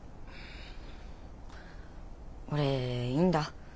俺いいんだ。